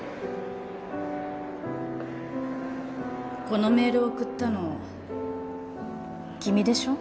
このメール送ったの君でしょ？